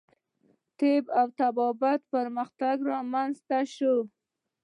په طب او طبابت کې پرمختګ رامنځته شو.